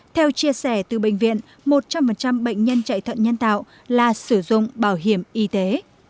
theo chia sẻ từ bệnh viện một trăm linh bệnh nhân chạy thận nhân tạo là sử dụng bảo hiểm y tế